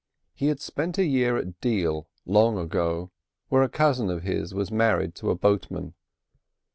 He had spent a year at Deal long ago, where a cousin of his was married to a boatman.